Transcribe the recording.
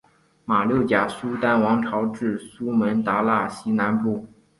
马六甲苏丹王朝至苏门答腊西南部。